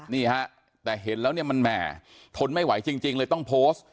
นี่ฮะแต่เห็นแล้วเนี่ยมันแหม่ทนไม่ไหวจริงเลยต้องโพสต์